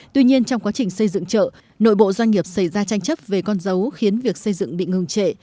tuy nhiên trong quá trình xây dựng chợ nội bộ doanh nghiệp xảy ra tranh chấp về con dấu khiến việc xây dựng bị ngừng trệ